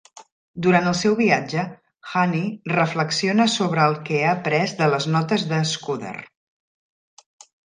Durant el seu viatge, Hannay reflexiona sobre el que ha après de les notes de Scudder.